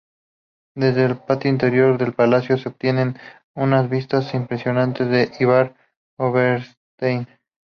Desde el patio interior del palacio se obtienen unas vistas impresionantes de Idar-Oberstein.